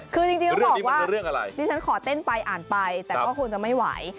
คือจริงต้องบอกว่าดิฉันขอเต้นไปอ่านไปแต่ก็คงจะไม่ไหว